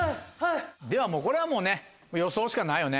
これはもうね予想しかないよね。